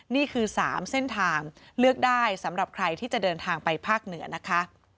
นี่คือ๓เส้นทางเลือกได้สำหรับใครที่จะเดินทางไปภาคเหนือนะคะ